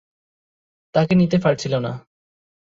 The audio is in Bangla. তাকে নিতে পারছিল না।